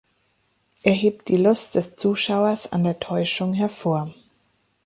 Er hebt die Lust des Zuschauers an der Täuschung hervor.